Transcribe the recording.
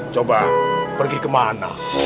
coba pergi kemana